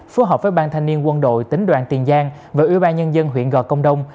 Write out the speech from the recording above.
phù hợp với ban thanh niên quân đội tính đoàn tiền giang và ủy ban nhân dân huyện gò công đông